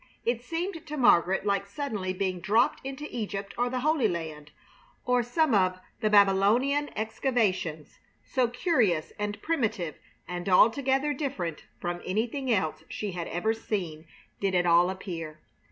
It seemed to Margaret like suddenly being dropped into Egypt or the Holy Land, or some of the Babylonian excavations, so curious and primitive and altogether different from anything else she had ever seen did it all appear.